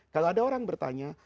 kalau ada orang bertanya